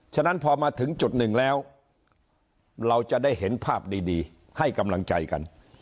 ฉะนั้นพอมาถึงจุดหนึ่งแล้วเราจะได้เห็นภาพดีให้กำลังใจกัน